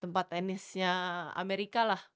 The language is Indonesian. tempat tenisnya amerika lah